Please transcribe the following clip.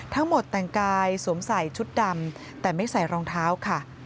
ทั้งหมดแต่งกายสวมใส่ชุดดำแต่ไม่ใส่รองเท้าค่ะ